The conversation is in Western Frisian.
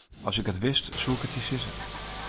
As ik it wist, soe ik it dy sizze.